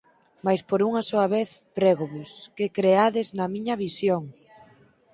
Mais por unha soa vez, prégovos, que creades na miña visión!